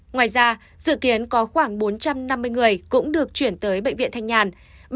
ngoài ra dự kiến có khoảng bốn trăm năm mươi người cũng được chuyển tới bệnh viện thanh nhàn